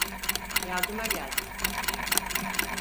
Yardıma geldik.